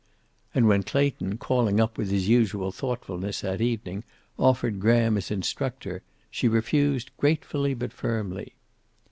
And when Clayton, calling up with his usual thoughtfulness that evening, offered Graham as instructor, she refused gratefully but firmly.